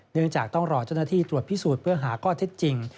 เนื่องจากต้องรอเจ้าหน้าที่ตรวจพิสูจน์เพื่อหาข้อเท็จจริง